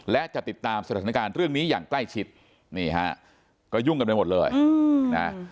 และจะติดตามสถานการณ์เรื่องนี้อย่างใกล้ชิดนี่ฮะก็ยุ่งกันไปหมดเลยนะ